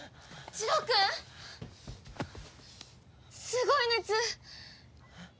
すごい熱！